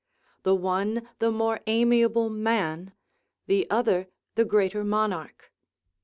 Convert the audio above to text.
The one the more amiable man; the other the greater monarch.